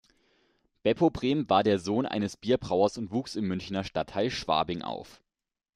Beppo Brem war der Sohn eines Bierbrauers und wuchs im Münchner Stadtteil Schwabing auf.